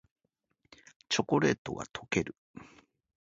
チョコレートがとける